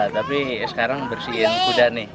tapi sekarang bersihin kuda nih